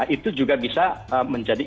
itu juga bisa menjadi